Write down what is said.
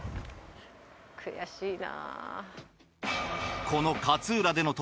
悔しいな。